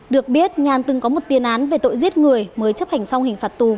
được biết nhàn từng có một tiền án về tội giết người mới chấp hành xong hình phạt tù